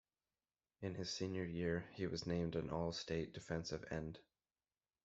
In his senior year, he was named an All-State defensive end.